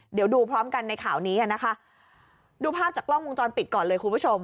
เดี๋ยวดูพร้อมกันในข่าวนี้อ่ะนะคะดูภาพจากกล้องวงจรปิดก่อนเลยคุณผู้ชม